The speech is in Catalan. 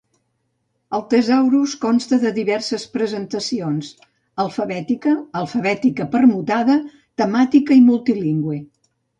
El tesaurus consta de diverses presentacions: alfabètica, alfabètica permutada, temàtica i multilingüe.